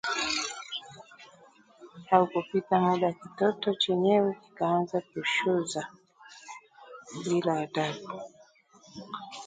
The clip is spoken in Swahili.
Haukupita muda kitoto chenyewe kikaanza kushuza bila adabu